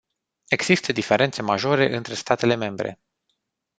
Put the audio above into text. Există diferențe majore între statele membre.